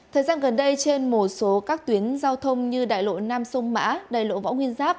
thời gian gần đây trên một số các tuyến giao thông như đại lộ nam sông mã đài lộ võ nguyên giáp